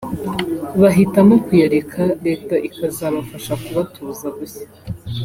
bahitamo kuyareka Leta ikazabafasha kubatuza bushya